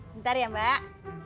bentar ya mbak